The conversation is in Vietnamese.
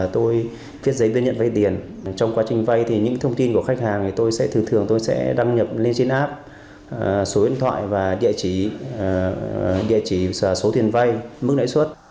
trong quá trình vay những thông tin của khách hàng tôi sẽ đăng nhập lên trên app số điện thoại và địa chỉ số tiền vay mức lãi suất